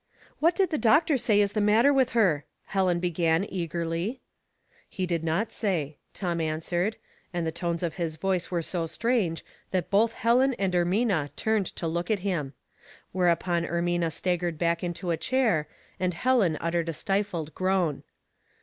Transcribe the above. " What did the doctor say is the matter with her ?" Helen began, eagerly. " He did not say," Tom answered, and the tones of his voice were so strange that both Helea " What is the Differenced' 79 and Ermina turned to look at him. Whereupon Ermina staggered back into a chair, and Heleu uttered a stifled groan.